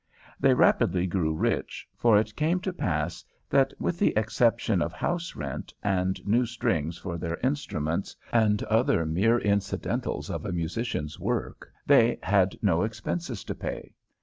They rapidly grew rich; for it came to pass that, with the exception of house rent, and new strings for their instruments, and other mere incidentals of a musician's work, they had no expenses to pay.